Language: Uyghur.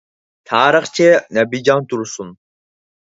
تارىخچى نەبىجان تۇرسۇن.